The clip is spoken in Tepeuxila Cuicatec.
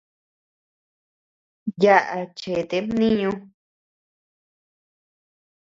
Yaʼa chete mniñu.